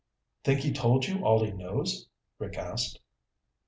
"Think he told you all he knows?" Rick asked.